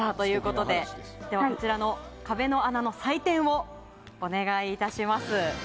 こちらの壁の穴の採点をお願いいたします。